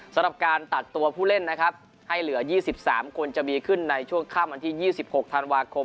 สำหรับการตัดตัวผู้เล่นนะครับให้เหลือ๒๓คนจะมีขึ้นในช่วงค่ำวันที่๒๖ธันวาคม